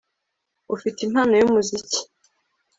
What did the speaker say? Ufite impano yumuziki